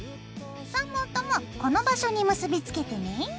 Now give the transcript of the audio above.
３本ともこの場所に結びつけてね。